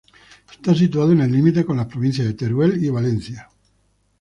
Está situado en el límite con las provincias de Teruel y Valencia.